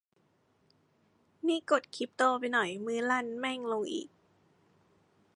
นี่กดคริปโตไปหน่อย มือลั่น แม่งลงอีก